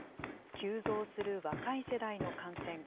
急増する若い世代の感染。